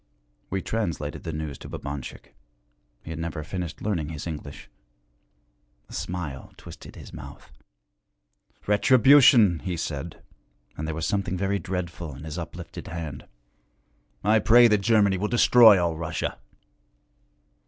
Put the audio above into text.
We translated the news to Babanchik he had never finished learning his English. A smile twisted his mouth. 'Retribution!' he said; and there was something very dreadful in his uplifted hand. 'I pray that Germany will destroy all Russia.'